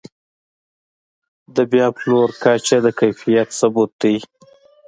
د بیا پلور کچه د کیفیت ثبوت دی.